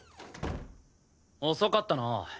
遅かったな。